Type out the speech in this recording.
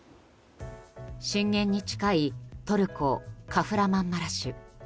震源に近いトルコ・カフラマンマラシュ。